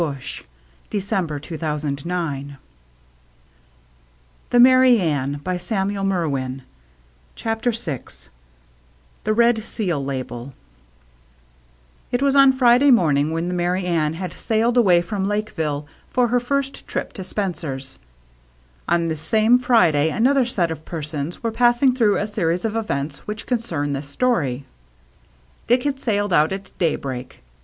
"All right. Tell Joe to bring his things along," CHAPTER VI THE RED SEAL LABEL CHAPTER VI THE RED SEAL LABEL IT was on Friday morning that the Merry Anne had sailed away from Lakeville for her first trip to Spencer's. On this same Friday another set of persons were passing through a series of events which concern this story. Dick had sailed out at daybreak.